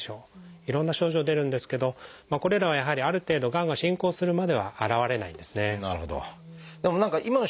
いろんな症状出るんですけどこれらはやはりある程度がんが進行するまでは現れないんですね。